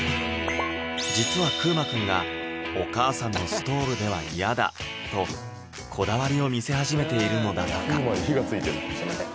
実はクウマくんがお母さんのストールでは嫌だとこだわりを見せ始めているのだとかすいません